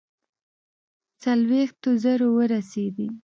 څلوېښتو زرو ورسېدی.